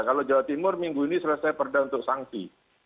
kalau jawa timur minggu ini selesai perda untuk sanksi